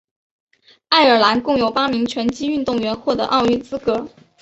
爱尔兰共有八名拳击运动员获得奥运资格。